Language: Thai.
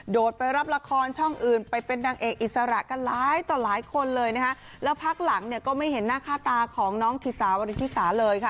ไปรับละครช่องอื่นไปเป็นนางเอกอิสระกันหลายต่อหลายคนเลยนะคะแล้วพักหลังเนี่ยก็ไม่เห็นหน้าค่าตาของน้องธิสาวริธิสาเลยค่ะ